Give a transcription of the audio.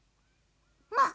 まあ。